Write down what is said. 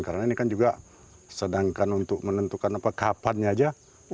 karena ini kan juga sedangkan untuk menentukan kapan aja